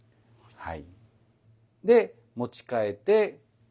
はい。